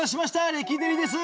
レキデリです！